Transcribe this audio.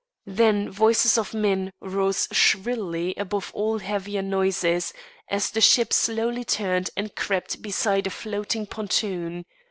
Then voices of men rose shrilly above all heavier noises, as the ship slowly turned and crept beside a floating pontoon.